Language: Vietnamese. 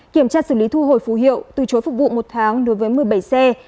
kiểm tra xử lý thu hồi phù hiệu từ chối phục vụ một tháng đối với một mươi bảy xe